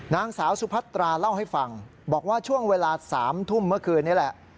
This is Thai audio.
นางสาวสุพัตราเล่าให้ฟังบอกว่าช่วงเวลา๓ทุ่มเมื่อคืนนี้แหละ